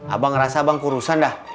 abang ngerasa abang kurusan dah